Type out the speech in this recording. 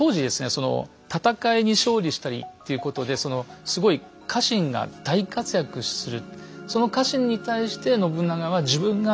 その戦いに勝利したりっていうことですごい家臣が大活躍する。